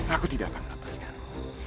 aku tidak akan melepaskanmu